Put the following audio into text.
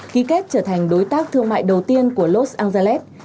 ký kết trở thành đối tác thương mại đầu tiên của los angelalet